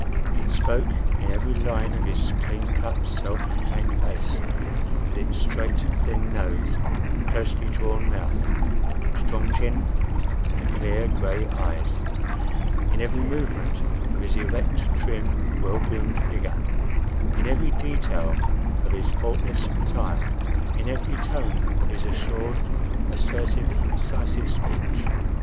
It spoke in every line of his clean cut, self contained face, with its straight, thin nose, closely drawn mouth, strong chin and clear gray eyes; in every movement of his erect, trim, well groomed figure; in every detail of his faultless attire; in every tone of his assured, assertive, incisive speech.